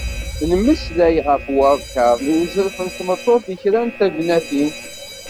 Nemmeslay ɣef urkaḍ n uzref n tmeṭṭut di kra n tegnatin.